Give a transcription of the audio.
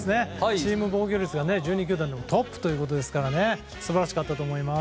チーム防御率が１２球団でもトップということですから素晴らしかったと思います。